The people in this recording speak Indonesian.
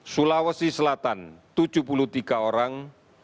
sulawesi selatan tujuh puluh tiga orang